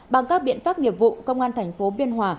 bằng các biện pháp nghiệp vụ công an thành phố biên hòa